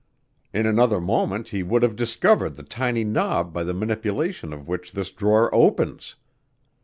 In another moment he would have discovered the tiny knob by the manipulation of which this drawer opens.